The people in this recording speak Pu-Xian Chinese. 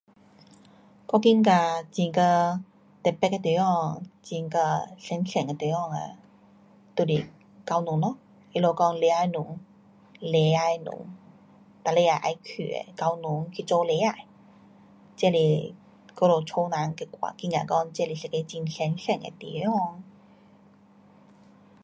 我觉得很呀神圣的地方，很呀神圣的地方啊就是教堂咯。他们说礼拜堂，礼拜堂，每礼拜要去的教堂去做礼拜。这是我们家人 [unintelligible] 觉得讲这是一个很神圣的地方。